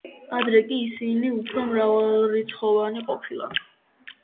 ადრე კი ისინი უფრო მრავალრიცხოვანი ყოფილან.